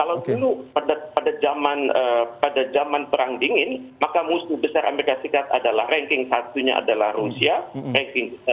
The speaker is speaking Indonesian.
kalau dulu pada zaman perang dingin maka musuh besar amerika serikat adalah ranking satunya adalah rusia ranking